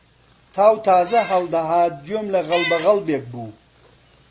تاو تازە هەڵدەهات گوێم لە غەڵبەغەڵبێک بوو